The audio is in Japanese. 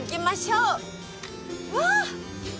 うわっ！